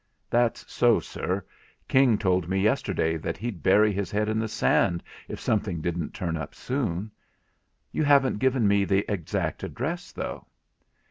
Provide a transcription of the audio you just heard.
'That's so, sir; King told me yesterday that he'd bury his head in the sand if something didn't turn up soon. You haven't given me the exact address though.'